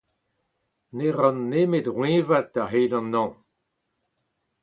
Ne ran nemet roeñvat a-hed an hañv.